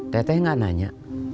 teh teh gak nanya